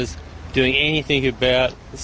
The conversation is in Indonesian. sejauh melakukan apa apa